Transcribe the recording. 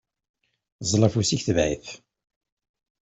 Ẓẓel afus-ik, tbeɛ-it!